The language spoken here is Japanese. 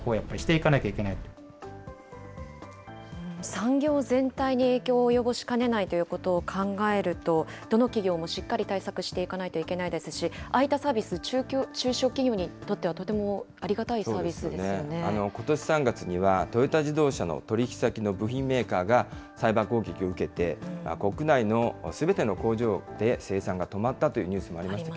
産業全体に影響を及ぼしかねないということを考えると、どの企業もしっかり対策していかないといけないですし、あいたサービス、中小企業にとってはとてもありがたいサービスでことし３月には、トヨタ自動車の取り引き先の部品メーカーが、サイバー攻撃を受けて、国内のすべての工場で生産が止まったというニュースもありました